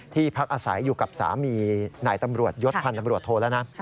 พักอาศัยอยู่กับสามีนายตำรวจยศพันธบรวจโทแล้วนะ